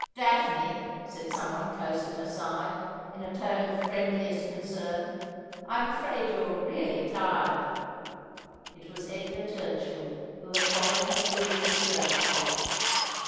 ' Daphne,' said someone close at her side, in a tone of friend liest concern, 'I'm afraid you're really tired.' It was Edgar Turchill, who had followed her through the conservatory.